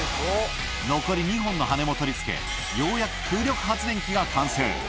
残り２本の羽根も取り付け、ようやく風力発電機が完成。